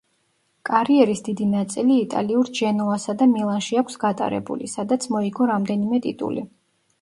კარიერის დიდი ნაწილი იტალიურ ჯენოასა და მილანში აქვს გატარებული, სადაც მოიგო რამდენიმე ტიტული.